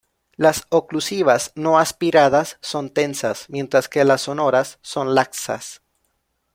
Las oclusivas no-aspiradas son tensas, mientras que las sonoras son laxas.